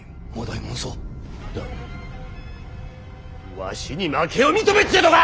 わしに負けを認めっちゅうとか！